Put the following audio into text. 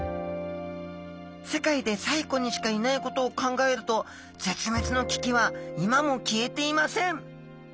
世界で西湖にしかいないことを考えると絶滅の危機は今も消えていません。